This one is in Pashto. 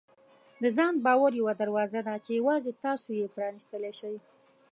د ځان باور یوه دروازه ده چې یوازې تاسو یې پرانیستلی شئ.